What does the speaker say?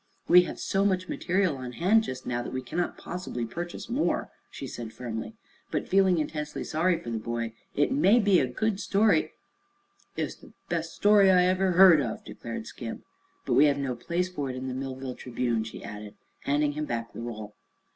"We have so much material on hand, just now, that we cannot possibly purchase more," she said firmly, but feeling intensely sorry for the boy. "It may be a good story " "It's the bes' story I ever heard of!" declared Skim. "But we have no place for it in the Millville Tribune," she added, handing him back the roll.